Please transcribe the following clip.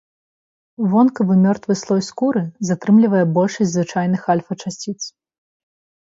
Вонкавы мёртвы слой скуры затрымлівае большасць звычайных альфа-часціц.